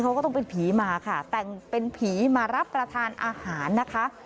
เขาก็ต้องเป็นผีมาค่ะแต่งเป็นผีมารับประทานอาหารนะคะ